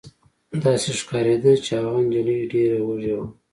داسې ښکارېده چې هغه نجلۍ ډېره وږې وه